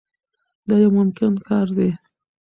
دا یو ممکن کار دی.